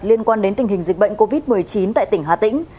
liên quan đến tình hình dịch bệnh covid một mươi chín tại tỉnh hà tĩnh